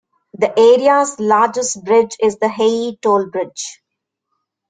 The area's largest bridge is the Haihe toll bridge.